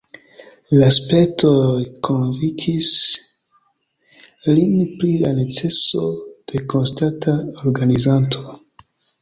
La spertoj konvinkis lin pri la neceso de konstanta organizanto.